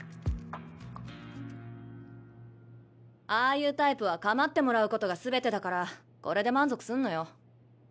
ああいうタイプは構ってもらうことが全てだからこれで満足すんのよ。